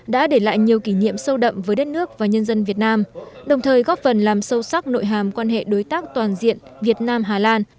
đã để lại nhiều kỷ niệm sâu đậm với đất nước và nhân dân việt nam đồng thời góp phần làm sâu sắc nội hàm quan hệ đối tác toàn diện việt nam hà lan